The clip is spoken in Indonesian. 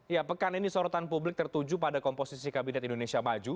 ya pekan ini sorotan publik tertuju pada komposisi kabinet indonesia maju